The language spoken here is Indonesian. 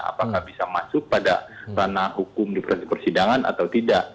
apakah bisa masuk pada ranah hukum di proses persidangan atau tidak